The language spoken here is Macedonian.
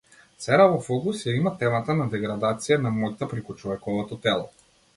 Сера во фокус ја има темата на деградација на моќта преку човековото тело.